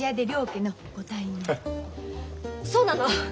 そうなの。